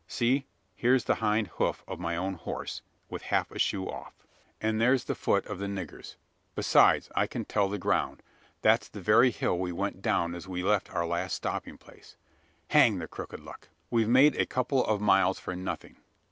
See! here's the hind hoof of my own horse, with half a shoe off; and there's the foot of the niggers. Besides, I can tell the ground. That's the very hill we went down as we left our last stopping place. Hang the crooked luck! We've made a couple of miles for nothing."